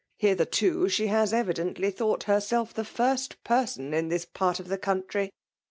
"Hitherto she has cridcntly thought herself the first person in this pwrt of the country."